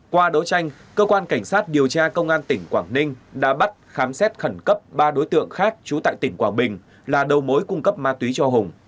qua đấu tranh cơ quan cảnh sát điều tra công an tỉnh quảng ninh đã bắt khám xét khẩn cấp ba đối tượng khác trú tại tỉnh quảng bình là đầu mối cung cấp ma túy cho hùng